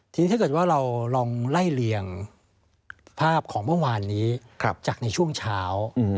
ทีนี้ถ้าเกิดว่าเราลองไล่เลี่ยงภาพของเมื่อวานนี้จากในช่วงเช้า